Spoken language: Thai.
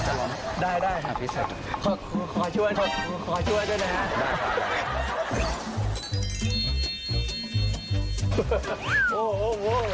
จะร้อนได้ขอช่วยขอช่วยด้วยนะฮะ